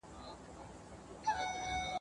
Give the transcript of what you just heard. مارګن جوته کړه